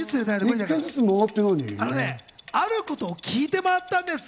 あることを聞いて回ったんです。